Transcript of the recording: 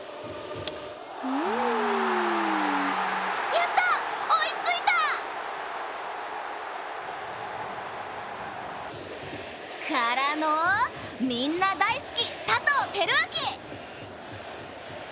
やった、追いついた！からの、みんな大好き佐藤輝明！